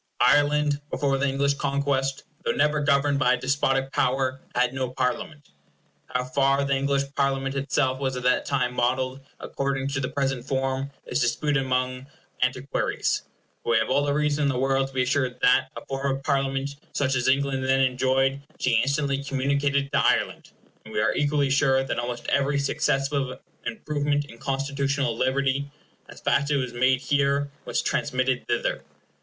Ireland, before the English conquest, though never governed by a despotic power, had no Parliament. How far the English Parliament itself was at that time modelled according to the present form is disputed among antiquaries; but we have all the reason in the world to be assured that a form of Parliament such as England then enjoyed she instantly communicated to Ireland, and we are equally sure that almost every successive improvement in constitutional liberty, as fast as it was made here, was transmitted thither.